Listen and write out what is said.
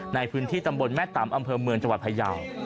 ในพื้นที่ตำบลแม่ตำอำเภอเมืองจังหวัดพยาว